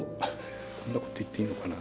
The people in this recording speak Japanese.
こんなこと言っていいのかな。